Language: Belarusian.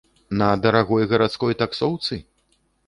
На дарагой гарадской таксоўцы?